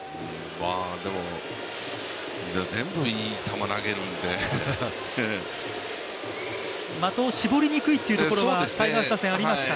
でも、全部いい球投げるんで的を絞りにくいというところは、タイガース打線ありますか。